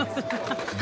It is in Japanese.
ハハハハ。